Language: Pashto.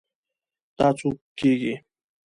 دا څو کیږي؟